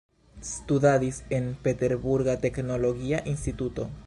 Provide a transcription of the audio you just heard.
Studadis en Peterburga teknologia instituto.